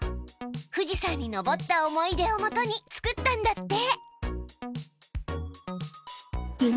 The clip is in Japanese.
富士山に登った思い出をもとに作ったんだって。